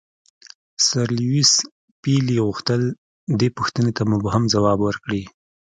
سر لیویس پیلي غوښتل دې پوښتنې ته مبهم ځواب ورکړي.